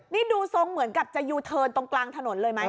นี่ดูทรงเหมือนกับจะยูเทิร์นตรงกลางถนนเลยไหม